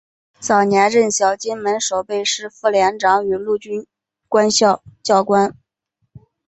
早年任小金门守备师副连长与陆军官校教官。